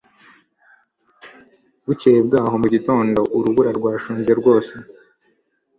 bukeye bwaho mu gitondo, urubura rwashonze rwose